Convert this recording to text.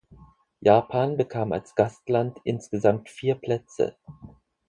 Japan bekam als Gastland insgesamt vier Plätze.